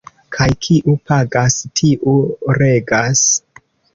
Kaj kiu pagas, tiu regas.